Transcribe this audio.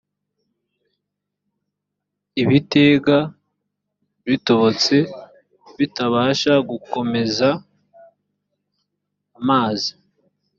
ibitega bitobotse bitabasha gukomeza amazi